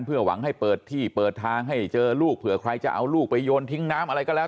เพื่อหวังให้เปิดที่เปิดทางให้เจอลูกเผื่อใครจะเอาลูกไปโยนทิ้งน้ำอะไรก็แล้ว